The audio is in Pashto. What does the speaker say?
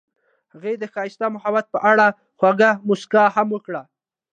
هغې د ښایسته محبت په اړه خوږه موسکا هم وکړه.